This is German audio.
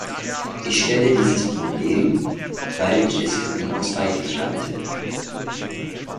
Ich stelle dieses Problem, weil ich es für unausweichlich halte.